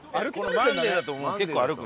『マンデー』だともう結構歩く。